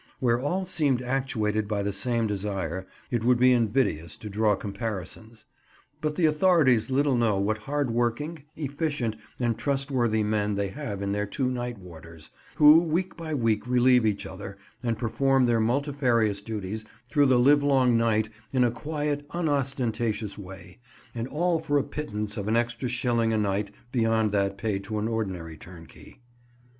Where all seem actuated by the same desire, it would be invidious to draw comparisons; but the authorities little know what hard working, efficient, and trustworthy men they have in their two night warders, who week by week relieve each other, and perform their multifarious duties through the livelong night in a quiet, unostentatious way, and all for a pittance of an extra shilling a night beyond that paid to an ordinary turnkey.